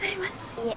いえ。